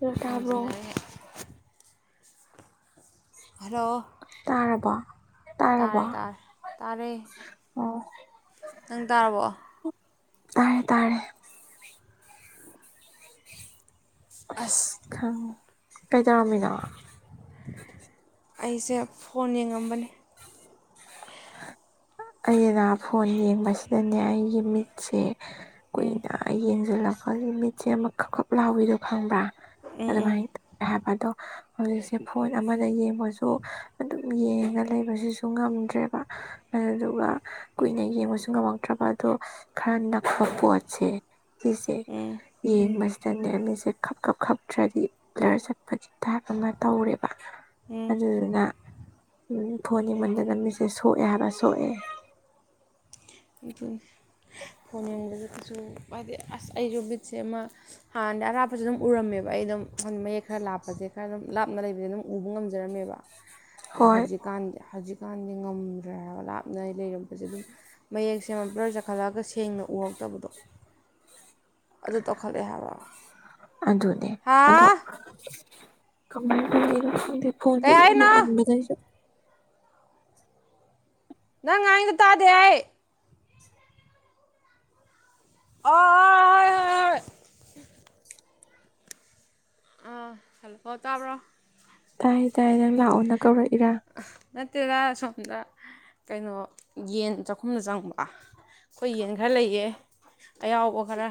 ꯂꯣ ꯇꯥꯥꯕ꯭ꯔꯣ ꯊꯥꯡꯖꯤꯟꯅꯔꯦ ꯍꯦꯛ [inaudible] ꯍꯜꯂꯣ ꯇꯥꯔꯕꯣ ꯇꯥꯔꯕꯣ ꯇꯥꯔꯦ ꯇꯥꯔꯦ ꯇꯥꯔꯦ ꯑꯣ ꯅꯪ ꯇꯥꯔꯕꯣ ꯇꯥꯔꯦ ꯇꯥꯔꯦ ꯑꯁ ꯀꯩꯗꯧꯔꯝꯃꯤꯅꯣ ꯑꯩꯁꯦ ꯐꯣꯟ ꯌꯦꯡꯉꯝꯕꯅꯦ ꯑꯩꯅ ꯐꯣꯟ ꯌꯦꯡꯕꯁꯤꯗꯅꯦ ꯑꯩꯒꯤ ꯃꯤꯠꯁꯦ ꯀꯨꯏꯅ ꯌꯦꯡꯖꯜꯂꯛꯄꯒꯤ ꯃꯤꯠꯁꯦ ꯑꯃꯛꯈꯛꯈꯞ ꯂꯥꯎꯕꯤꯗꯣ ꯈꯪꯕ꯭ꯔꯥ ꯎꯝ ꯎꯝ ꯑꯗꯨꯃꯥꯥꯏ ꯇꯧꯋꯦ ꯍꯥꯏꯕ ꯗꯣ ꯍꯧꯖꯤꯛꯁꯦ ꯐꯣꯟ ꯑꯃꯗ ꯌꯦꯡꯕꯁꯨ ꯑꯗꯨꯝ ꯌꯦꯡꯉ ꯂꯩꯕꯁꯤꯁꯨ ꯉꯝꯗ꯭ꯔꯦꯕ ꯑꯗꯨ ꯄꯨꯔꯥ ꯀꯨꯏꯅ ꯌꯦꯡꯕꯁꯨ ꯉꯝꯃꯛꯇ꯭ꯔꯕ ꯑꯗꯣ ꯈꯔ ꯅꯛꯄ ꯄꯣꯠꯁꯦ ꯁꯤꯁꯦ ꯎꯝ ꯌꯦꯡꯕꯁꯤꯗꯅꯦ ꯃꯤꯠꯁꯦ ꯈꯞ ꯈꯞ ꯈꯞꯇ꯭ꯔꯗꯤ ꯕ꯭ꯂꯔ ꯆꯠꯄꯒꯤ ꯇꯥꯏꯞ ꯑꯃ ꯇꯧꯔꯦ ꯎꯝ ꯑꯗꯨꯗꯨꯅ ꯐꯣꯟ ꯌꯦꯡꯃꯟꯗꯅ ꯃꯤꯠꯁꯦ ꯁꯣꯛꯑꯦ ꯍꯥꯏꯕ ꯁꯣꯛꯑꯦ ꯑꯗꯨꯅꯦ ꯐꯣꯟ ꯌꯦꯡꯕꯗ ꯀꯩꯁꯨ ꯍꯥꯏꯗꯤ ꯑꯁ ꯑꯩꯁꯨ ꯃꯤꯠꯁꯦ ꯑꯃ ꯍꯥꯟꯅꯗꯤ ꯑꯔꯥꯞꯄꯁꯨ ꯑꯗꯨꯝ ꯎꯔꯝꯃꯦꯕ ꯑꯩ ꯑꯩ ꯑꯗꯨꯝ ꯍꯟ ꯃꯌꯦꯛ ꯈꯔ ꯂꯥꯞꯄꯁꯦ ꯈꯔ ꯑꯗꯨꯝ ꯂꯥꯞꯅ ꯂꯩꯕꯁꯦ ꯑꯗꯨꯝ ꯎꯕ ꯉꯝꯖꯔꯝꯃꯦꯕ ꯑꯗꯣ ꯍꯣꯏ ꯍꯧꯖꯤꯛꯀꯥꯟꯗꯤ ꯍꯧꯖꯤꯛꯀꯥꯟꯗꯤ ꯉꯝꯗ꯭ꯔꯦ ꯍꯥꯏꯕ ꯂꯥꯞꯅ ꯂꯩꯔꯝꯕꯁꯦ ꯑꯗꯨꯝ ꯃꯌꯦꯛꯁꯦꯕ ꯕ꯭ꯂꯔ ꯆꯈꯠꯂꯛꯑꯒ ꯁꯦꯡꯅ ꯎꯔꯛꯇꯕꯗꯣ ꯑꯗꯨ ꯇꯧꯈꯠꯂꯛꯑꯦ ꯍꯥꯏꯕ ꯑꯗꯨꯅꯦ ꯍꯥ ꯑꯗꯣ ꯀꯃꯥꯏ ꯇꯩꯅꯣ ꯈꯪꯗꯦ ꯐꯣꯟꯁꯦ ꯀꯩ ꯗꯨꯝ ꯍꯥꯏꯅꯣ ꯅꯣꯉꯥꯟꯕꯗꯩꯩꯁꯨ ꯅꯪ ꯉꯥꯡꯉꯤꯗꯣ ꯇꯥꯗꯦ ꯑꯩ ꯑ ꯑꯥ [unintelligible] ꯑ ꯍꯜꯂꯣ ꯇꯕ꯭ꯔꯣ ꯇꯥꯏ ꯇꯥꯏ ꯅꯪ ꯂꯥꯛꯑꯣꯅ ꯀꯧꯔꯛꯏꯔꯥ ꯇꯦꯔꯥ ꯁꯣꯝꯗ ꯀꯩꯅꯣ ꯌꯦꯟ ꯆꯥꯛꯈꯨꯝꯅ ꯆꯪꯉꯛꯄ ꯑꯩꯈꯣꯏ ꯌꯦꯟ ꯈꯔ ꯂꯩꯌꯦ ꯑꯌꯥꯎꯕ ꯈꯔ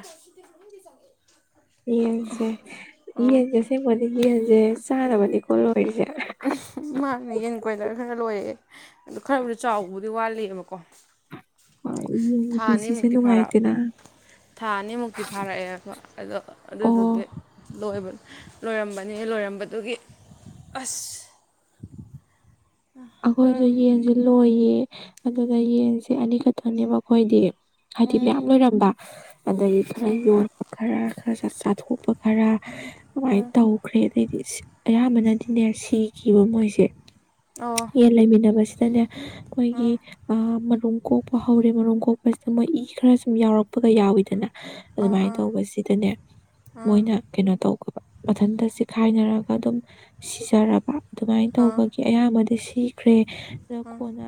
ꯌꯦꯡꯁꯦ ꯑꯥ ꯑꯁꯦꯡꯕ ꯑꯗꯨꯝ ꯌꯦꯟꯖꯦ ꯆꯥꯅꯕꯅꯤꯀꯣ ꯂꯣꯏꯔꯤꯁꯦ ꯃꯥꯅ ꯌꯦꯟ ꯀꯣꯏꯂꯔ ꯈꯒ ꯂꯣꯏꯔꯛꯑꯦ ꯑꯗꯨ ꯈꯔꯕꯨꯗꯤ ꯆꯥꯎꯕꯨꯗꯤ ꯋꯥꯠꯂꯤꯕꯀꯣ ꯍꯣꯏ ꯄꯨꯟꯁꯤꯁꯦ ꯅꯨꯡꯉꯥꯏꯇꯦꯅ ꯊꯥ ꯑꯅꯤꯃꯨꯛꯇꯤ ꯐꯥꯔꯛꯑꯦ ꯑꯗꯣ ꯑꯣ ꯑꯗꯨꯗꯨꯒꯤ ꯂꯣꯏꯕ ꯂꯣꯏꯔꯝꯕꯅꯤ ꯂꯣꯏꯔꯝꯕꯗꯨꯒꯤ ꯑꯁ ꯑꯩꯈꯣꯏꯁꯨ ꯂꯣꯏꯔꯝ ꯌꯦꯟꯁꯨ ꯂꯣꯏꯌꯦ ꯑꯗꯨꯒ ꯌꯦꯟꯁꯦ ꯑꯅꯤꯈꯛꯇꯅꯦꯕ ꯑꯈꯣꯏꯗꯤ ꯍꯥꯏꯗꯤ ꯃꯌꯥꯝ ꯎꯝ ꯂꯣꯏꯔꯝꯕ ꯑꯗꯒꯤ ꯈꯔ ꯌꯣꯟꯕ ꯈꯔ ꯈꯔ ꯁ ꯆꯥꯊꯣꯛꯄ ꯈꯔ ꯑꯃꯥꯏ ꯎꯝ ꯇꯧꯈ꯭ꯔꯦ ꯑꯗꯩꯗꯤ ꯁꯤꯠ ꯑꯌꯥꯝꯕꯅꯗꯤꯅꯦ ꯁꯤ ꯈꯤꯕ ꯃꯣꯏꯁꯦ ꯑꯣ ꯌꯦꯟ ꯂꯩꯃꯤꯟꯅꯕꯁꯤꯗꯅꯦ ꯑꯩꯈꯣꯏꯒꯤ ꯎꯝ ꯑꯥ ꯃꯔꯨꯝ ꯀꯣꯛꯄ ꯍꯧꯔꯦ ꯃꯔꯨꯝ ꯀꯣꯛꯄ ꯃꯣꯏ ꯏ ꯈꯔ ꯁꯨꯝ ꯌꯥꯎꯔꯛꯄꯒ ꯌꯥꯎꯋꯤꯗꯅ ꯑꯥ ꯑꯗꯨꯃꯥꯏ ꯑꯥ ꯇꯧꯕꯁꯤꯗꯅꯦ ꯑꯥ ꯃꯣꯏꯅ ꯀꯩꯅꯣ ꯇꯧꯈꯤꯕ ꯃꯊꯟꯇ ꯆꯤꯈꯥꯏꯅꯔꯛ ꯑꯗꯨꯝ ꯁꯤꯖꯔꯕ ꯑꯗꯨꯃꯥꯏ ꯑꯥ ꯇꯧꯕꯒꯤ ꯑꯌꯥꯝꯕꯗꯤ ꯁꯤ ꯈ꯭ꯔꯦ ꯑꯗꯣ ꯑꯥ ꯀꯣꯟꯅ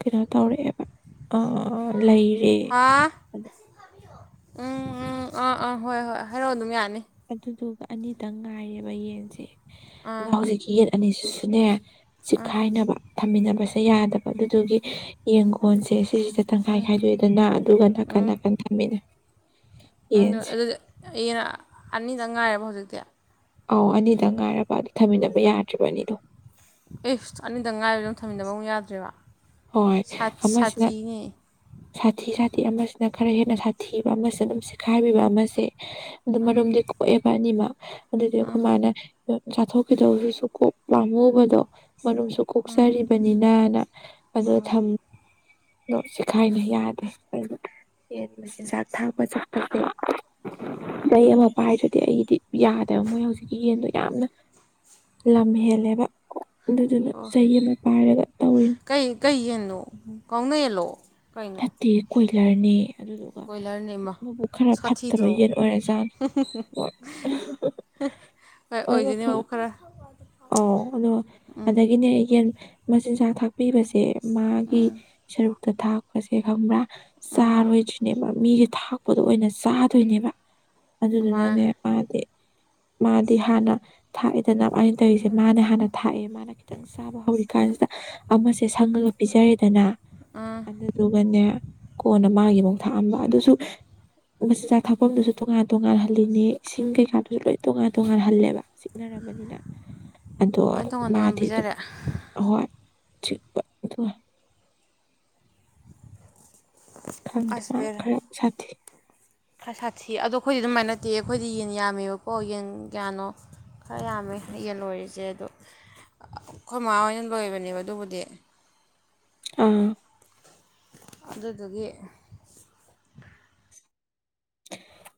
ꯀꯩꯅꯣ ꯇꯧꯔꯛꯑꯦꯕ ꯑꯥ ꯂꯩꯔꯦ ꯍꯥ ꯑ ꯎꯝ ꯎꯝ ꯑꯥ ꯑꯥ ꯍꯣꯏ ꯍꯣꯏ ꯍꯥꯏꯔꯛꯑꯣ ꯑꯗꯨꯝ ꯌꯥꯅꯤ ꯑꯗꯨꯗꯨꯒ ꯑꯅꯤꯗꯪ ꯉꯥꯏꯔꯦꯕ ꯌꯦꯟꯁꯦ ꯑꯗ ꯑꯥ ꯍꯧꯖꯤꯛꯀꯤ ꯌꯦ ꯑꯅꯤꯁꯤꯁꯨꯅꯦ ꯑꯥ ꯆꯤꯛꯈꯥꯏꯅꯕ ꯊꯝꯃꯤꯟꯅꯕꯁꯦ ꯌꯥꯗꯕ ꯑꯗꯨꯗꯨꯒꯤ ꯌꯦꯟꯒꯣꯟꯁꯦ ꯁꯤꯁꯤꯗ ꯇꯪꯈꯥꯏ ꯈꯥꯏꯗꯣꯛꯑꯦꯗꯅ ꯑꯗꯨꯒ ꯅꯥꯀꯟ ꯅꯥꯀꯟ ꯊꯝꯃꯦ ꯎꯝꯗꯣ ꯑꯗꯨꯗꯤ ꯌꯦꯟ ꯑ ꯑꯅꯤꯗꯪ ꯉꯥꯏꯔꯕ ꯍꯧꯖꯤꯛꯇꯤ ꯑꯧ ꯑꯅꯤꯗꯪ ꯉꯥꯏꯔꯕ ꯑꯗꯨ ꯊꯝꯃꯤꯟꯅꯕ ꯌꯥꯗ꯭ꯔꯤꯕ ꯑꯅꯤꯗꯣ ꯑꯦꯐ ꯑꯅꯤꯗꯪ ꯉꯥꯏꯔꯦꯗꯣ ꯊꯝꯃꯤꯟꯅꯕ ꯑꯃꯨꯛ ꯌꯥꯗ꯭ꯔꯤꯕ ꯍꯣꯏ ꯑꯃꯁꯤꯅ ꯁꯥꯊꯤ ꯁꯥꯊꯤ ꯑꯃꯁꯤꯅ ꯈꯔ ꯍꯦꯟꯅ ꯁꯥꯊꯤꯕ ꯑꯃꯁꯦ ꯑꯗꯨꯝ ꯆꯤꯈꯥꯏꯕꯤꯕ ꯑꯃꯁꯦ ꯑꯗꯨ ꯃꯔꯨꯝꯗꯤ ꯀꯣꯛꯑꯦꯕ ꯑꯅꯤꯃꯛ ꯑꯗꯨꯗꯨꯏ ꯑꯩꯈꯣꯏ ꯃꯥꯅ ꯆꯥꯊꯣꯛꯈꯤꯗꯧꯗꯨꯁꯨ ꯀꯣꯛ ꯄꯥꯝꯃꯨꯕꯗꯣ ꯃꯔꯨꯝꯁꯨ ꯀꯣꯛꯆꯔꯤꯕꯅꯤꯅ ꯐꯖꯟ ꯊꯝ ꯗꯣ ꯆꯤꯈꯥꯏꯅꯩ ꯌꯥꯗ꯭ꯔꯦ ꯑꯩ ꯌꯦꯟ ꯃꯆꯤꯟꯖꯥꯛ ꯊꯥꯛꯄ ꯆꯠꯄꯖꯦ ꯆꯩ ꯑꯃ ꯄꯥꯏꯗ꯭ꯔꯗꯤ ꯑꯩꯗꯤ ꯌꯥꯗꯦꯕ ꯃꯣꯏ ꯍꯧꯖꯤꯛꯀꯤ ꯌꯦꯟꯗꯣ ꯌꯥꯝꯅ ꯂꯝ ꯍꯦꯜꯂꯦꯕ ꯑꯗꯨꯗꯨꯅ ꯑꯣ ꯆꯩ ꯑꯃ ꯄꯥꯏꯔꯒ ꯇꯧꯔꯤꯅꯦ ꯀꯩ ꯀꯩ ꯌꯦꯟꯅꯣ ꯀꯥꯎꯅꯌꯦꯜꯂꯣ ꯀꯩꯅꯣ ꯀꯨꯏꯂꯔꯅꯦꯌꯦ ꯑꯗꯨꯗꯨꯒ ꯀꯣꯏꯂꯔꯅꯦ ꯏꯃꯥ ꯃꯕꯨꯛ ꯈꯔ ꯐꯠꯇꯕ ꯁꯥꯊꯤꯗ꯭ꯔꯣ ꯌꯦꯟ ꯑꯣꯏꯔꯖꯥꯠꯅꯦ ꯍꯣꯏ [unintelligible] ꯍꯣꯏ ꯑꯣꯏꯗꯣꯏꯅꯦ ꯃꯕꯨꯛ ꯈꯔ ꯑꯧ ꯑꯗꯣ ꯎꯝ ꯑꯗꯒꯤ ꯌꯦꯟ ꯃꯆꯤꯟꯖꯥꯛ ꯊꯥꯛꯄꯤꯕꯁꯦ ꯃꯥꯒꯤ ꯁꯔꯨꯛꯇ ꯊꯥꯛꯄꯁꯦ ꯈꯪꯕ꯭ꯔꯥ ꯎꯝ ꯆꯥꯔꯣꯏꯗ꯭ꯔꯤꯅꯦꯕ ꯃꯤꯒꯤ ꯊꯥꯛꯄꯗꯣ ꯑꯣꯏꯅ ꯆꯥꯗꯣꯏꯅꯦꯕ ꯃꯥ ꯑꯗꯨꯗꯨꯅꯅꯦ ꯃꯥꯗꯤ ꯃꯥꯗꯤ ꯍꯥꯟꯅ ꯊꯥꯛꯑꯦꯗꯅ ꯑꯩꯅ ꯇꯧꯔꯤꯁꯦ ꯃꯥꯅ ꯍꯥꯟꯅ ꯊꯥꯛꯑꯦ ꯃꯥꯅ ꯈꯤꯇꯪ ꯆꯥꯕ ꯍꯧ ꯀꯥꯟꯁꯤꯗ ꯑꯃꯁꯦ ꯁꯪꯉꯒ ꯄꯤꯖꯔꯦꯗꯅ ꯑꯗꯨꯗꯨꯒꯅꯦ ꯀꯣꯟꯅ ꯃꯥꯒꯤ ꯑꯃꯨꯛ ꯊꯥꯛꯑꯝꯕ ꯑꯗꯨꯁꯨ ꯃꯆꯤꯟꯖꯥꯛ ꯊꯥꯛꯐꯝꯗꯨꯁꯨ ꯇꯣꯉꯥꯟ ꯇꯣꯉꯥꯟꯍꯜꯂꯤꯅꯦ ꯏꯁꯤꯡ ꯀꯩꯀꯥꯗꯨꯁꯨ ꯂꯣꯏ ꯇꯣꯉꯥꯟ ꯇꯣꯡꯉꯜꯍꯜꯂꯦꯕ ꯆꯤꯛꯅꯔꯝ ꯑꯗꯣ ꯂꯣꯏ ꯇꯣꯉꯥꯟ ꯇꯣꯉꯥꯟ ꯃꯥꯗꯤ ꯑꯗꯨꯝ ꯄꯤꯖꯔꯦ ꯑꯍꯣꯏ ꯆꯤꯛꯄ ꯑꯗꯨꯒ ꯈꯪꯗꯦ ꯑꯁ ꯃꯥ ꯕꯦꯔꯥ ꯈꯔ ꯁꯥꯊꯤ ꯈꯔ ꯁꯥꯊꯤ ꯑꯗꯣ ꯑꯩꯈꯣꯏꯗꯤ ꯑꯗꯨꯃꯥꯏ ꯅꯠꯇꯦ ꯑꯩꯈꯣꯏꯗꯤ ꯌꯦꯟ ꯌꯥꯝꯃꯦꯕꯀꯣ ꯌꯦꯟ ꯀꯌꯥꯅꯣ ꯈꯔ ꯌꯥꯝꯃꯦ ꯌꯦꯟ ꯂꯣꯏꯔꯤꯁꯦ ꯑꯗꯣ ꯑ ꯑꯩꯈꯣꯏ ꯃꯥ ꯍꯣꯏꯅ ꯂꯣꯏꯕꯅꯦꯕ ꯑꯗꯨꯕꯨꯗꯤ ꯑꯥ ꯑꯗꯨꯗꯨꯒꯤ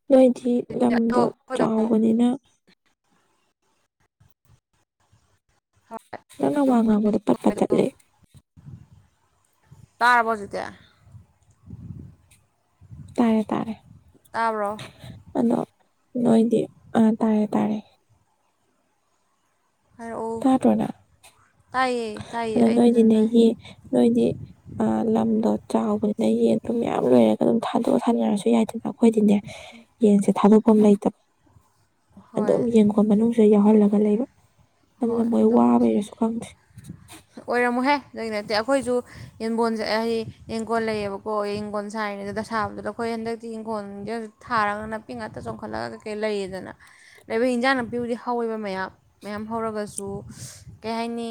ꯅꯣꯏꯗꯤ ꯑꯗꯣ ꯂꯝꯗꯣ ꯑꯩꯈꯣꯏꯗ ꯑꯃꯨꯛ ꯆꯥꯎꯕꯅꯤꯅ ꯅꯪꯅ ꯋꯥ ꯉꯥꯡꯕꯗꯣ ꯄꯠ ꯄꯠ ꯇꯠꯂꯦ ꯇꯥꯔꯕꯣ ꯍꯧꯖꯤꯛꯇꯤ ꯇꯥꯔꯦ ꯇꯥꯔꯦ ꯇꯥꯕ꯭ꯔꯣ ꯑꯗꯣ ꯅꯣꯏꯗꯤ ꯑꯥ ꯇꯥꯔꯦ ꯇꯥꯔꯦ ꯍꯥꯏꯔꯛꯎ ꯇꯥꯗ꯭ꯔꯣ ꯅ ꯇꯥꯏꯌꯦ ꯇꯥꯏꯌꯦ ꯑꯗ ꯑꯩ ꯐꯖꯅ ꯇꯥꯏ ꯅꯣꯏꯗꯤꯅꯦꯒꯤ ꯅꯣꯏꯗꯤ ꯑ ꯂꯝꯗꯣ ꯆꯥꯎꯕꯗꯨꯗꯩ ꯌꯦꯟ ꯗꯨꯝ ꯌꯥꯝ ꯂꯣꯏꯔꯒ ꯑꯗꯨꯝ ꯊꯥꯗꯣꯛꯑ ꯊꯥꯅꯔꯁꯨ ꯌꯥꯏꯗꯅ ꯑꯈꯣꯏꯗꯤꯅꯦ ꯌꯦꯟꯁꯦ ꯊꯥꯗꯣꯛꯐꯝ ꯂꯩꯇꯕ ꯍꯣꯏ ꯑꯗꯨꯝ ꯌꯦꯟꯈꯣꯟ ꯃꯅꯨꯡꯁꯤ ꯌꯥꯎꯍꯜꯂꯒ ꯒ ꯂꯩꯕ ꯇꯜꯂ ꯍꯣꯏ ꯃꯣꯏ ꯋꯥꯕꯩꯔꯁꯨ ꯈꯪꯗꯦ ꯑꯣꯏꯔꯝꯃꯣꯢꯍꯦ ꯑꯗꯨꯢ ꯅꯠꯇꯦ ꯑꯩꯈꯣꯏꯁꯨ ꯌꯦꯟꯒꯣꯟꯁꯦ ꯍꯩ ꯌꯦꯟꯒꯣꯟ ꯂꯩꯌꯦꯕꯀꯣ ꯌꯦꯡꯒꯣꯟ ꯁꯥꯥꯏ ꯗ ꯁꯥꯕꯗꯨꯗꯣ ꯑꯩꯈꯣꯏ ꯍꯟꯗꯛꯇꯤ ꯌꯦꯡꯈꯣꯟꯖꯦ ꯊꯥꯔꯒ ꯅꯥꯄꯤ ꯉꯥꯛꯇ ꯆꯣꯡꯈꯠꯂꯒ ꯀꯩꯀꯩ ꯂꯩꯌꯦꯗꯅ ꯂꯩꯕ ꯏꯟꯖꯥꯡ ꯅꯥꯄꯤꯕꯨꯗꯤ ꯍꯧꯋꯦꯕ ꯃꯌꯥꯝ ꯃꯌꯥꯝ ꯍꯧꯔꯒꯁꯨ ꯀꯩ ꯍꯥꯏꯅꯤ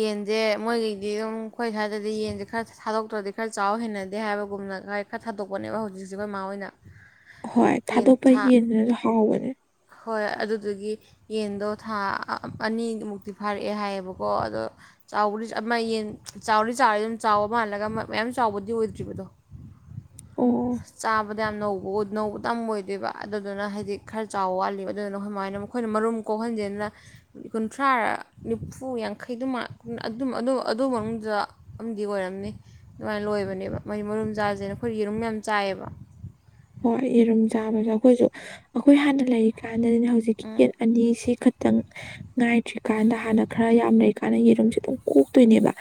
ꯌꯦꯟꯁꯦ ꯃꯣꯏꯒꯤꯗꯤ ꯑꯗꯨꯝ ꯑꯩꯈꯣꯏ ꯁ꯭ꯋꯥꯏꯗꯗꯤ ꯌꯦꯟꯁꯦ ꯈꯔ ꯊꯥꯗꯣꯛꯇ꯭ꯔꯗꯤ ꯈꯔ ꯆꯥꯎꯕ ꯍꯦꯟꯅꯗꯦ ꯑꯦ ꯍꯥꯏꯕꯒꯨꯝꯅ ꯈ ꯈꯔ ꯊꯥꯗꯣꯛꯄꯅꯦꯕ ꯍꯧꯖꯤꯛꯁꯤ ꯃꯃꯥꯍꯣꯏꯅ ꯍꯣꯏ ꯊꯥꯗꯣꯛꯄ ꯌꯦꯟꯗꯨꯅꯁꯨ ꯍꯥꯎꯕꯅꯦ ꯍꯣꯏ ꯑꯗꯨꯗꯨꯒꯤ ꯌꯦꯟꯗꯣ ꯊꯥ ꯑꯅꯤꯃꯨꯛꯇꯤ ꯐꯥꯔꯛꯑꯦ ꯍꯥꯏꯌꯦꯕꯀꯣ ꯑꯗꯣ ꯆꯥꯎꯕꯗꯤ ꯑꯃ ꯌꯦꯟ ꯆꯥꯎꯗꯤ ꯆꯥꯎꯔ ꯑꯗꯨꯝ ꯆꯥꯎꯕ ꯃꯥꯜꯂꯒ ꯃꯌꯥꯝ ꯆꯥꯎꯕꯗꯤ ꯑꯣꯏꯗ꯭ꯔꯤꯕꯗꯣ [inaudible] ꯆꯥꯕꯗ ꯌꯥꯝ ꯅꯧꯕ ꯅꯧꯕꯇ ꯑꯣꯏꯗꯣꯏꯕ ꯑꯗꯨꯗꯨꯅ ꯍꯥꯏꯗꯤ ꯈꯔ ꯆꯥꯎ ꯋꯥꯠꯂꯤꯕ ꯑꯗꯨꯗꯨꯅ ꯁꯃꯥꯏꯅ ꯃꯈꯣꯏꯅ ꯃꯔꯨꯝ ꯀꯣꯛꯍꯟꯁꯤꯦꯗꯅ ꯀꯨꯟꯊ꯭ꯔꯥ ꯅꯤꯐꯨ ꯌꯥꯡꯈꯩ ꯑꯗꯨꯃꯥ ꯑꯗꯨ ꯑꯗꯨ ꯃꯅꯨꯡꯗ ꯑꯃꯗꯤ ꯑꯣꯏꯔꯝꯅꯤ ꯑꯗꯨꯃꯥꯏꯅ ꯂꯣꯏꯕꯅꯦꯕ ꯃꯩ ꯃꯔꯨꯝ ꯖꯥꯁꯦꯅ ꯑꯩꯈꯣꯏ ꯌꯦꯔꯨꯝ ꯌꯥꯝ ꯆꯥꯏꯌꯦꯕ ꯍꯣꯏ ꯌꯦꯔꯨꯝ ꯆꯥꯕꯁꯨ ꯑꯩꯈꯣꯏꯁꯨ ꯑꯩꯈꯣꯏ ꯍꯥꯟꯅ ꯂꯩꯔꯤ ꯀ ꯍꯥꯟꯅꯅ ꯍꯧꯖꯤꯛꯀꯤ ꯎꯝ ꯌꯦꯠ ꯑꯅꯤꯁꯤ ꯈꯛꯇꯪ ꯉꯥꯏꯇ꯭ꯔꯤꯀꯥꯟꯗ ꯍꯥꯟꯅ ꯈꯔ ꯌꯥꯝ ꯂꯩꯔꯤꯀꯥꯟꯗ ꯌꯦꯔꯨꯝꯁꯦ ꯑꯗꯨꯝ ꯀꯣꯛꯇꯣꯏꯅꯦꯕ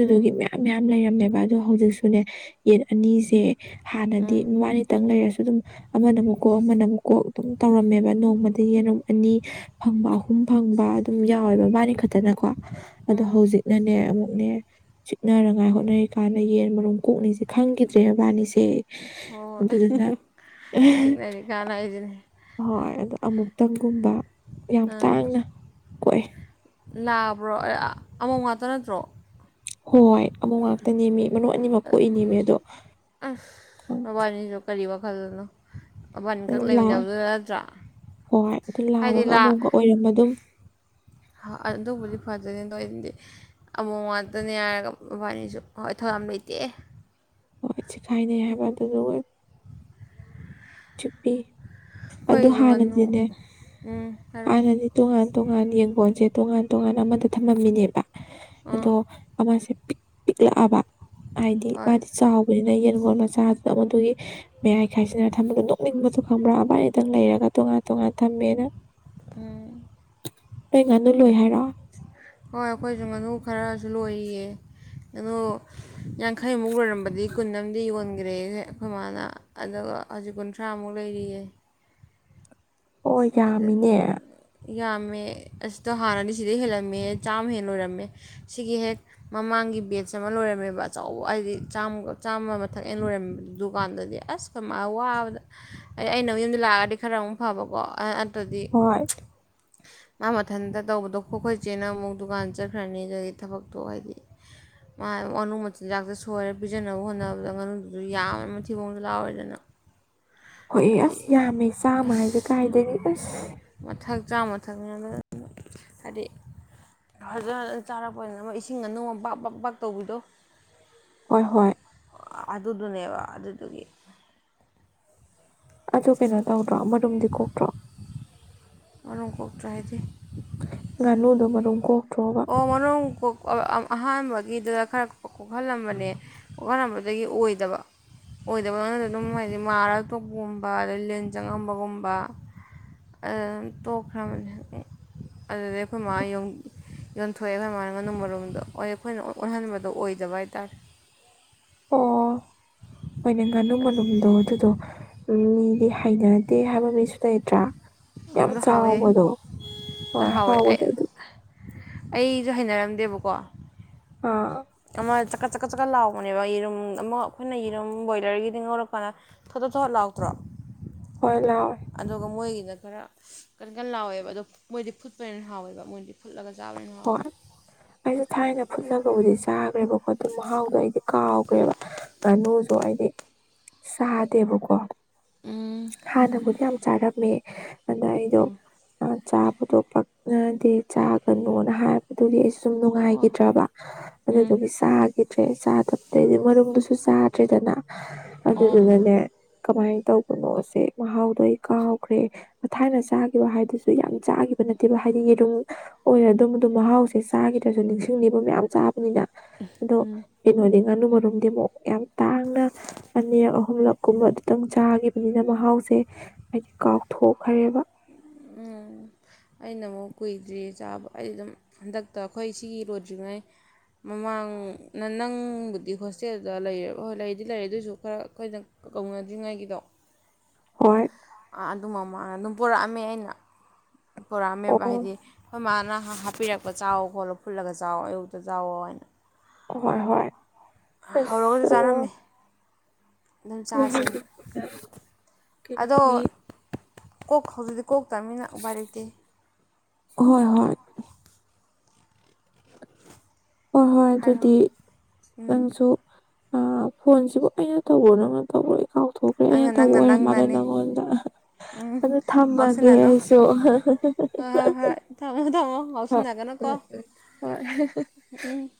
ꯎꯝ ꯃꯌꯥꯝ ꯃꯌꯥꯝ ꯂꯩꯔꯝꯃꯦꯕ ꯑꯗꯣ ꯍꯧꯖꯤꯛꯁꯨꯅꯦ ꯌꯦꯟ ꯑꯅꯤꯁꯦ ꯍꯥꯟꯅꯗꯤ ꯎꯝ ꯃꯕꯅꯤ ꯂꯩꯔꯁꯨ ꯑꯗꯨꯝ ꯑꯃꯅ ꯑꯃꯨꯛ ꯀꯣꯛ ꯑꯃꯅ ꯑꯃꯨꯛ ꯀꯣꯛ ꯑꯗꯨꯝ ꯇꯧꯔꯝꯃꯦꯕ ꯅꯣꯡꯃꯗꯒꯤ ꯑꯗꯨꯝ ꯑꯅꯤ ꯐꯪꯕ ꯑꯍꯨꯝ ꯐꯪꯕ ꯑꯗꯨꯝ ꯌꯥꯎꯋꯦꯕ ꯃꯥꯅꯤ ꯈꯛꯇꯅꯀꯣ ꯑꯗꯣ ꯎꯝ ꯍꯧꯖꯤꯛꯅꯅꯦ ꯑꯃꯨꯛ ꯅꯦ ꯆꯤꯛꯅꯅꯉꯥꯏ ꯍꯣꯠꯅꯔꯤ ꯀꯥꯟꯗ ꯌꯦꯟ ꯃꯔꯨꯝ ꯀꯣꯛꯅꯤꯁꯦ ꯈꯪꯈꯤꯗ꯭ꯔꯦ ꯃꯕꯥꯅꯤꯁꯦ ꯍꯣꯏ ꯑꯗꯨꯗꯨꯅ ꯆꯤꯡꯅꯗꯤ ꯀꯥꯟꯅ ꯍꯥꯏꯖꯤꯅꯤ ꯍꯣꯏ ꯑꯗꯣ ꯑꯃꯨꯛꯇꯪꯒꯨꯝꯕ ꯌꯥꯝ ꯑꯥ ꯇꯥꯡꯅ ꯀꯣꯛꯑꯦ ꯂꯥꯕ꯭ꯔꯣ ꯑꯥ ꯑꯃꯣꯝ ꯉꯥꯛꯇ ꯅꯠꯇ꯭ꯔꯣ ꯍꯣꯏ ꯑꯃꯣꯝ ꯉꯥꯛꯇꯅꯦꯃꯤ ꯃꯅꯨꯡ ꯑꯅꯤꯃꯛ ꯀꯣꯛꯏꯅꯦꯝꯃꯤ ꯑꯗꯣ ꯑꯁ ꯃꯕꯥꯅꯤꯁꯨ ꯀꯔꯤ ꯋꯥꯈꯜꯗꯅꯣ ꯃꯕꯥꯅꯤꯈꯛ ꯂꯥ ꯂꯩꯃꯤꯟꯅꯕꯗꯨ ꯅꯠꯇ꯭ꯔꯥ ꯍꯣꯏ ꯑꯗꯨ ꯂꯥꯕꯒ ꯑꯃꯣꯝꯒ ꯑꯣꯏꯔꯝ ꯑꯗꯨꯝ ꯍꯥ ꯑꯗꯨꯕꯨꯗꯤ ꯐꯖꯔꯦꯅꯦ ꯊꯣꯏꯗꯤ ꯑꯃꯣꯝ ꯉꯥꯛꯇꯅꯦ ꯍꯥꯏꯔꯒ ꯃꯕꯥꯅꯤꯁꯨ ꯍꯣꯏ ꯊꯧ ꯌꯝ ꯂꯩꯇꯦ ꯁꯥꯏꯅꯩ ꯍꯥꯏꯕ ꯑꯗꯨꯗꯨꯒ ꯆꯨꯄꯤ ꯑꯗꯨ ꯑꯩꯈꯣꯏꯒꯤꯁꯨ ꯉꯥꯅꯨ ꯍꯥꯟꯅꯗꯤꯅꯦ ꯎꯝ ꯍꯥꯏꯔꯛꯑꯣ ꯍꯥꯟꯅꯗꯤ ꯇꯣꯉꯥꯟ ꯇꯣꯉꯥꯟ ꯌꯦꯡꯒꯣꯟꯁꯦ ꯇꯣꯉꯥꯟ ꯇꯣꯉꯥꯟꯅ ꯑꯃꯗ ꯊꯝꯃꯝꯃꯤꯅꯦꯕ ꯑꯗꯣ ꯑꯥ ꯑꯃꯁꯦ ꯄꯤꯛꯂꯛꯑꯕ ꯍꯥꯏꯗꯤ ꯍꯣꯏ ꯃꯥꯗꯤ ꯆꯥꯎꯕꯅꯤꯅ ꯌꯦꯟꯒꯣꯟꯜ ꯃꯆꯥꯗꯨꯅ ꯃꯗꯨꯒꯤ ꯃꯌꯥꯏ ꯈꯥꯏꯁꯤꯅ ꯊꯝꯕꯗ ꯅꯤꯡꯕꯗꯨ ꯈꯪꯕ꯭ꯔꯥ ꯑꯩ ꯑꯗꯨꯝ ꯂꯩꯔꯒ ꯇꯣꯉꯥꯟ ꯇꯣꯉꯥꯟ ꯊꯝꯕꯤꯔꯦ ꯑꯩꯅ ꯅꯦꯛꯔꯨꯏ ꯍꯥꯏꯔꯣ ꯍꯣꯏ ꯑꯩꯈꯣꯏꯁꯨ ꯉꯥꯅꯨ ꯈꯔꯁꯨ ꯂꯣꯏꯔꯤꯌꯦ ꯑꯩꯅꯣ ꯌꯥꯡꯈꯩꯃꯨꯛ ꯂꯣꯏꯔꯝꯕꯗꯤ ꯀꯨꯟ ꯑꯃꯗꯤ ꯌꯣꯟꯈ꯭ꯔꯦ ꯑꯩꯈꯣꯏ ꯃꯥꯅ ꯑꯗꯨꯒ ꯍꯧꯖꯤꯛ ꯀꯨꯟꯊ꯭ꯔꯥꯃꯨꯛ ꯂꯩꯔꯤꯌꯦ ꯍꯣꯏ ꯑꯗ ꯌꯥꯝꯃꯤꯅꯦ ꯌꯥꯝꯃꯦ ꯑꯁꯤꯗꯣ ꯍꯥꯟꯅꯗꯤ ꯁꯤꯗꯩ ꯍꯦꯜꯂꯝꯃꯦ ꯆꯥꯝꯃ ꯍꯦꯟ ꯂꯣꯏꯔꯝꯃꯦ ꯁꯤꯒꯤ ꯍꯦꯛ ꯃꯃꯥꯡ ꯒꯤ ꯕꯦꯠꯁ ꯑꯃ ꯂꯣꯏꯔꯝꯃꯦꯕ ꯑꯆꯧꯕ ꯍꯥꯏꯗꯤ ꯆ ꯆꯥꯝꯃ ꯃꯊꯛ ꯑꯩꯅ ꯂꯣꯏꯔꯝꯃꯦꯕ ꯗꯨꯀꯥꯟꯗꯗꯤ ꯑꯁ ꯋꯥꯕꯗ ꯑꯩꯅ ꯌꯨꯝꯗ ꯂꯥꯛꯑꯗꯤ ꯈꯔ ꯑꯃꯨꯛ ꯐꯕꯀꯣ ꯑꯥ ꯑꯗꯨꯗꯤ ꯍꯣꯏ ꯃꯥ ꯃꯊꯟꯇ ꯇꯧꯕꯗꯣ ꯈꯣꯏ ꯈꯣꯏ ꯆꯦꯅ ꯑꯃꯨꯛ ꯗꯨꯀꯥꯟ ꯆꯠꯈ꯭ꯔꯅꯤ ꯑꯗꯨꯗꯒꯤ ꯊꯕꯛꯇꯣ ꯍꯥꯏꯗꯤ ꯃꯥ ꯉꯥꯅꯨ ꯃꯆꯤꯟꯖꯥꯛꯇ ꯁꯣꯏꯔ ꯄꯤꯖꯅꯕ ꯍꯣꯠꯅꯕꯗ ꯉꯥꯅꯨꯗꯨꯁꯨ ꯌꯥꯝꯃꯦ ꯊꯤꯕꯣꯡꯁꯨ ꯂꯥꯎꯔꯦꯗꯅ ꯍꯣꯏ ꯍꯥꯏꯗꯤ ꯑꯁ ꯌꯥꯝꯃꯦ ꯆꯥꯝꯃ ꯍꯥꯏꯁꯦ ꯀꯥꯏꯗꯒꯤ ꯑꯁ ꯆꯥꯝꯃ ꯊꯥꯡꯅꯕꯅ ꯍꯥꯏꯗꯤ ꯐꯖ ꯐꯖꯅ ꯆꯥꯔꯛꯄꯅꯤꯅ ꯑꯃ ꯏꯁꯤꯡ ꯉꯥꯅꯨ ꯑꯃ ꯕꯥꯛ ꯕꯥꯛ ꯕꯥꯛ ꯇꯧꯕꯤꯗꯣ ꯍꯣꯏ ꯍꯣꯏ ꯑꯗꯨꯗꯨꯅꯦꯕ ꯑꯗꯨꯗꯨꯒꯤ ꯑꯗꯨ ꯀꯩꯅꯣ ꯇꯧꯗ꯭ꯔꯣ ꯃꯔꯨꯝꯗꯤ ꯀꯣꯛꯇ꯭ꯔꯣ ꯃꯔꯨꯝ ꯀꯣꯛꯇ꯭ꯔꯥ ꯍꯥꯢꯗꯤ ꯉꯥꯅꯨꯗꯣ ꯃꯔꯨꯝ ꯀꯣꯛꯇ꯭ꯔꯣꯕ ꯑꯣ ꯍꯣꯔꯣꯟ ꯀꯣꯛ ꯑ ꯑꯍꯥꯟꯕꯒꯤꯗꯨꯗ ꯈꯔ ꯀꯣꯛꯍꯜꯂꯝꯕꯅꯦ ꯀꯣꯛꯍꯜꯂꯝꯕꯗꯒꯤ ꯑꯣꯏꯗꯕ ꯑꯣꯏꯗꯕ ꯑꯗꯨꯝ ꯃꯣꯏꯗꯤ ꯑꯗꯨꯝ ꯃꯥꯔ ꯇꯣꯛꯄꯒꯨꯝꯕ ꯑꯗꯩ ꯂꯤꯟ ꯆꯪꯉꯝꯕꯒꯨꯝꯕ ꯑꯗ ꯇꯣꯛꯈ꯭ꯔꯕꯅꯦ ꯑꯩ ꯑꯗꯨꯗꯩ ꯑꯈꯣꯏ ꯃꯥ ꯌꯨꯝ ꯌꯣꯟꯊꯣꯛꯑꯦ ꯑꯈꯣꯢꯃꯥꯅ ꯉꯥꯅꯨ ꯃꯔꯨꯝꯗꯣ ꯑꯩꯈꯣꯏꯅ ꯑꯣꯟꯍꯟꯕꯗꯣ ꯑꯣꯏꯗꯕ ꯍꯥꯏꯇꯥꯔꯦ ꯑꯣ ꯍꯣꯏꯅꯦ ꯉꯥꯅꯨ ꯃꯔꯨꯝꯗꯣ ꯑꯗꯨꯗꯣ ꯎꯝ ꯃꯤꯗꯤ ꯍꯩꯅꯗꯦ ꯍꯥꯏꯕ ꯃꯤꯁꯨ ꯂꯩꯇ꯭ꯔꯥ ꯌꯥꯝ ꯑꯗꯨ ꯍꯥꯎꯋꯦꯍꯦ ꯆꯥꯎꯕꯗꯣ ꯍꯣꯏ ꯍꯥꯎꯕꯗꯣ ꯑꯗꯨ ꯑꯩꯖꯨ ꯍꯩꯅꯔꯝꯗꯦꯕꯀꯣ ꯑꯥ ꯑꯃ ꯆꯀꯠ ꯆꯛꯀꯠ ꯆꯛꯀꯠ ꯂꯥꯎꯕꯅꯦꯕ ꯌꯦꯔꯨꯝ ꯑꯃ ꯑꯩꯈꯣꯏꯅ ꯌꯦꯔꯨꯝ ꯕꯣꯏꯂꯔꯒꯤꯗꯤ ꯉꯧꯔꯀꯥꯟꯗ ꯊꯣꯠ ꯊꯣꯠ ꯂꯥꯎꯇ꯭ꯔꯣ ꯍꯣꯏ ꯂꯥꯎꯋꯦ ꯑꯗꯨꯒ ꯃꯣꯏꯒꯤ ꯗ ꯈꯔ ꯀꯟ ꯀꯟ ꯂꯥꯎꯋꯦꯕ ꯑꯗꯣ ꯃꯣꯏꯗꯤ ꯐꯨꯠꯄꯅ ꯍꯦꯟꯅ ꯍꯥꯎꯋꯦꯕ ꯃꯣꯏꯗꯤ ꯐꯨꯠꯂꯒ ꯆꯥꯕ ꯍꯣꯏ ꯑꯩꯖꯨ ꯊꯥꯏꯅ ꯐꯨꯜꯂꯒꯕꯨꯗꯤ ꯆꯥꯈ꯭ꯔꯦꯕꯀꯣ ꯑꯗꯨ ꯃꯍꯥꯎꯗꯣ ꯑꯩꯗꯤ ꯀꯥꯎꯈ꯭ꯔꯦꯕ ꯉꯥꯅꯨꯁꯨ ꯑꯩꯗꯤ ꯆꯥꯗꯦꯕꯀꯣ ꯎꯝ ꯍꯥꯟꯅꯕꯨꯗꯤ ꯌꯥꯝ ꯆꯥꯔꯝꯃꯦ ꯑꯗ ꯑꯩꯗꯣ ꯎꯝ ꯑ ꯆꯥꯕꯗꯣ ꯄꯛꯅꯗꯦ ꯆꯥꯒꯅꯣꯅ ꯍꯥꯏꯕꯗꯨꯒꯤꯁꯨ ꯁꯨꯝ ꯑꯣ ꯅꯨꯡꯉꯥꯏꯒꯤꯗ꯭ꯔꯕ ꯎꯝ ꯑꯗꯨꯗꯨꯒꯤ ꯆꯥ ꯒꯤꯗ꯭ꯔꯦ ꯆꯥꯗꯕꯗꯩꯗꯤ ꯃꯔꯨꯝꯗꯨꯁꯨ ꯆꯥꯗ꯭ꯔꯦꯗꯅ ꯑꯣ ꯑꯗꯨꯗꯨꯅꯅꯦ ꯀꯃꯥꯏ ꯇꯧꯕꯅꯣꯁꯦ ꯃꯍꯥꯎꯗꯣ ꯑꯩ ꯀꯥꯎꯈ꯭ꯔꯦ ꯊꯥꯏꯅ ꯆꯥꯈꯤꯕ ꯍꯥꯏꯗꯨꯁꯨ ꯌꯥꯝ ꯆꯥ ꯒꯤꯕ ꯅꯠꯇꯦꯕ ꯍꯥꯏꯗꯤ ꯌꯦꯔꯨꯝ ꯑꯣꯏꯔ ꯑꯗꯨꯝ ꯑꯗꯨ ꯃꯍꯥꯎꯁꯦ ꯆꯥꯈꯤꯗ꯭ꯔꯁꯨ ꯅꯤꯡꯁꯤꯡꯅꯤꯕ ꯃꯌꯥꯝ ꯆꯥꯕꯅꯤꯅ ꯑꯗꯣ ꯀꯩꯅꯣꯗꯤ ꯉꯥꯅꯨ ꯃꯔꯨꯝꯗꯤ ꯑꯃꯨꯛ ꯌꯥꯝ ꯇꯥꯡꯅ ꯑꯅꯤꯔꯛ ꯑꯍꯨꯝꯂꯛ ꯀꯨꯝꯕꯗꯨꯇꯪ ꯆꯥꯈꯤꯕꯅꯤꯅ ꯃꯍꯥꯎ ꯁꯦ ꯑꯩꯗꯤ ꯀꯥꯎꯊꯣꯛꯈ꯭ꯔꯦꯕ ꯑꯩꯅ ꯑꯃꯨꯛ ꯀꯨꯏꯗ꯭ꯔꯤ ꯆꯥꯕ ꯑꯩ ꯑꯗꯨꯝ ꯍꯟꯗꯛꯇ ꯑꯩꯈꯣꯏ ꯁꯤꯒꯤ ꯂꯣꯢꯗ꯭ꯔꯤꯉꯩ ꯃꯃꯥꯡ ꯅꯪ ꯅꯪꯕꯨꯗꯤ ꯍꯣꯁꯇꯦꯜꯗ ꯂꯩꯔꯕꯣ ꯍꯣꯢ ꯂꯩꯗꯤ ꯂꯩꯔꯦ ꯑꯗꯨꯁꯨ ꯈꯔ ꯑꯩꯈꯣꯏꯒ ꯀꯧꯅꯗ꯭ꯔꯤꯉꯩꯒꯤꯗꯣ ꯍꯣꯏ ꯑꯗꯨ ꯃꯃꯥꯡꯗꯗꯨꯝ ꯄꯨꯔꯛꯑꯝꯃꯦ ꯑꯩꯅ ꯄꯨꯣꯔꯛꯑꯝꯃꯦꯕ ꯑꯣ ꯍꯥꯏꯗꯤ ꯈꯣꯏ ꯃꯥꯅ ꯍꯥꯞꯄꯤꯔꯛꯄ ꯆꯥꯎꯑꯣ ꯈꯣꯠꯂꯣ ꯐꯨꯜꯂꯒ ꯆꯥꯎꯑꯣꯅ ꯑꯌꯨꯛꯇ ꯆꯥꯎꯑꯣꯅ ꯍꯣꯏ ꯍꯣꯏ ꯑꯁ ꯍꯧꯔꯒꯁꯨ ꯆꯥꯔꯝꯃꯦ ꯑꯗꯨꯝ ꯆꯥꯁꯦꯅ [unintelligible] ꯑꯗꯣ ꯀꯩꯅꯣꯒꯤ ꯀꯣꯛ ꯍꯧꯖꯤꯛꯇꯤ ꯀꯣꯛ ꯇꯃꯤꯅ ꯎꯄꯥꯢ ꯂꯩꯇꯦ ꯍꯣꯏ ꯍꯣꯏ ꯍꯣꯏ ꯍꯣꯏ ꯍꯥꯏꯔꯣ ꯑꯗꯨꯗꯤ ꯎꯝ ꯅꯪꯁꯨ ꯑ ꯐꯣꯟꯁꯤꯕꯨ ꯑꯩꯅ ꯇꯧꯕꯔꯣ ꯅꯪꯅ ꯇꯧꯕ꯭ꯔꯣ ꯀꯥꯎꯊꯣꯛꯈ꯭ꯔꯦ ꯅꯪꯅ ꯑꯩꯅ ꯇꯧꯕ ꯅꯪꯅ ꯑꯣꯏꯔ ꯃꯥꯜꯂꯦ ꯅꯪꯅꯅꯦ ꯅꯪꯉꯣꯟꯗ ꯑꯗꯨ ꯎꯝ ꯊꯝꯃꯒꯦ ꯉꯥꯎꯁꯤꯟꯅꯅꯨ ꯑꯩꯁꯨ ꯍꯍꯍ ꯍꯣꯏ ꯍꯣꯏ ꯊꯝꯃꯣ ꯊꯝꯃꯣ ꯉꯥꯎꯁꯤꯟꯅꯒꯅꯨꯀꯣ ꯎꯝ ꯍꯣꯏ ꯎꯝ